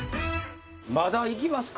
まだいきますか？